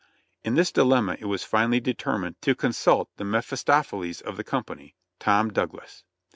In this dilemma it was finally determined to consult the Mephis topheles of the company, Tom Douglas.